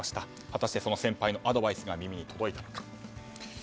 果たして先輩のアドバイスは耳に届くのか。